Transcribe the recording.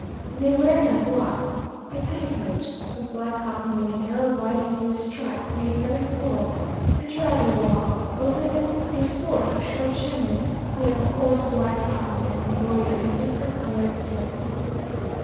They wear "naguas," a petticoat of black cotton with a narrow white and blue stripe, made very full, and rather long; over this, a sort of short chemise made of coarse white cotton, and embroidered in different coloured silks.